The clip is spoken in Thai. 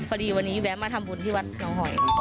พอดีวันนี้แวะมาทำบุญที่วัดน้องหอย